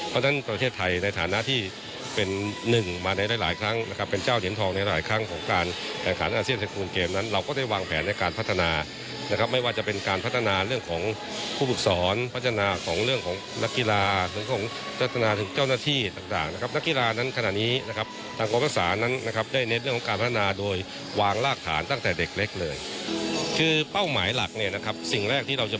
เพราะฉะนั้นประเทศไทยในฐานะที่เป็นหนึ่งมาในหลายครั้งเพราะฉะนั้นประเทศไทยในฐานะที่เป็นหนึ่งมาในหลายครั้งเพราะฉะนั้นประเทศไทยในฐานะที่เป็นหนึ่งมาในหลายครั้งเพราะฉะนั้นประเทศไทยในฐานะที่เป็นหนึ่งมาในหลายครั้งเพราะฉะนั้นประเทศไทยในฐานะที่เป็นหนึ่งมาในหลายครั้งเพราะฉะ